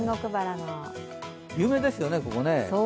有名ですよね、ここね。